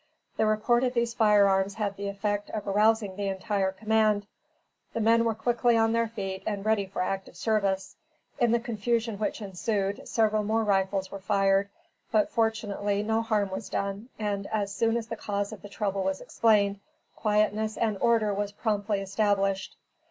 The report of these firearms had the effect of arousing the entire command. The men were quickly on their feet and ready for active service. In the confusion which ensued, several more rifles were fired, but fortunately no harm was done, and as soon as the cause of the trouble was explained, quietness and order was promptly established.